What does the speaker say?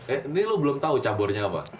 eh ini lu belum tahu caburnya apa